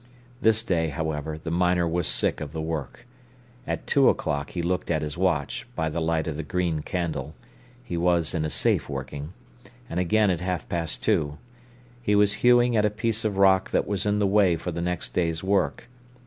This day, however, the miner was sick of the work. At two o'clock he looked at his watch, by the light of the green candle—he was in a safe working—and again at half past two. He was hewing at a piece of rock that was in the way for the next day's work.